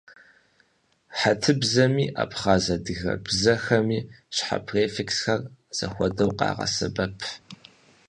Хьэтыбзэми абхъаз-адыгэ бзэхэми щхьэ префиксхэр зэхуэдэу къагъэсэбэп.